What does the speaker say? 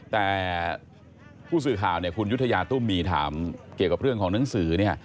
แต่ผู้สื่อข่าวเนี่ยคุณยุธยาตุ้มมีถามเกี่ยวกับเรื่องของหนังสือเนี่ย